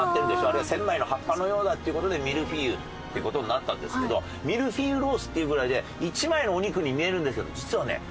あれ１０００枚の葉っぱのようだっていう事でミルフィーユっていう事になったんですけどミルフィーユロースっていうぐらいで１枚のお肉に見えるんですけど実はね